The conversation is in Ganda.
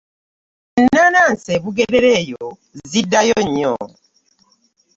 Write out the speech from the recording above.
Ennaanansi e Bugerere eyo ziddayo nnyo.